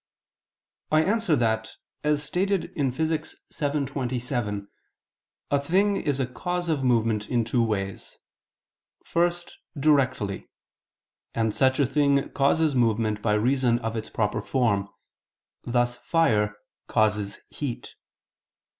I answer that, As stated in Phys. vii, text. 27, a thing is a cause of movement in two ways. First, directly; and such a thing causes movement by reason of its proper form; thus fire causes heat.